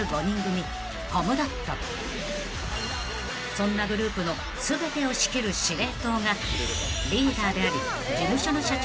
［そんなグループの全てを仕切る司令塔が］